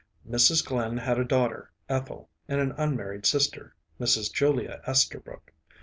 Mrs. Glynn had a daughter, Ethel, and an unmarried sister, Miss Julia Esterbrook.